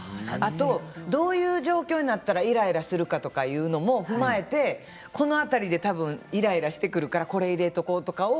どういう状況になったらイライラするかということも踏まえてこの辺りでイライラするからこれを入れておこうとか。